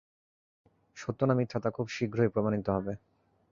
সত্য না মিথ্যা তা খুব শীঘ্রই প্রমানিত হবে।